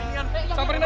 ian ian ian